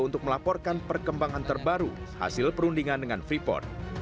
untuk melaporkan perkembangan terbaru hasil perundingan dengan freeport